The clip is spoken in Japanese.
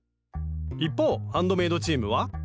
一方ハンドメイドチームは？